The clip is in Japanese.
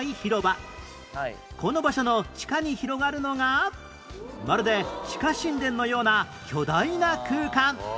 この場所の地下に広がるのがまるで地下神殿のような巨大な空間